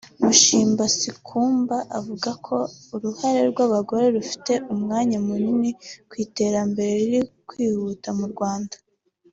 Muchimba Sikumba avuga ko uruhare rw’abagore rufite umwanya munini mu iterambere riri kwihura mu Rwanda